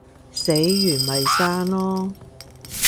死完咪生囉